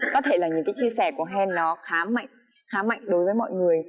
có thể là những cái chia sẻ của hen nó khá mạnh đối với mọi người